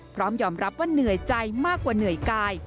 พร้อมยอมรับว่าเหนื่อยใจมากกว่าเหนื่อยกาย